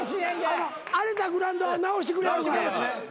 荒れたグラウンドは直してくれはるから。